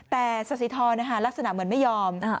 แต่สสิทรลักษณะเหมือนไม่ยอม